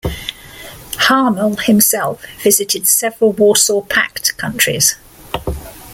Harmel himself visited several Warsaw Pact countries.